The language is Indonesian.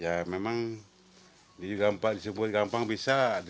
ya memang ini gampang disebut gampang bisa